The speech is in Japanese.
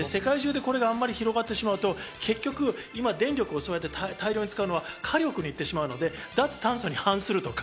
世界中でこれがあまり広がってしまうと、電力を大量に使うのは火力にいってしまうので、脱炭素に反するとか。